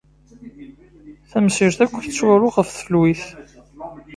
Tamsirt akk tettwaru ɣef tfelwit.